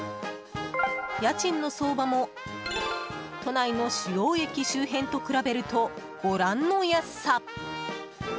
家賃の相場も都内の主要駅周辺と比べるとご覧の安さ。